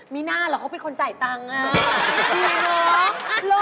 มีหน้าเหรอเขาเป็นคนจ่ายตังค์อ่ะ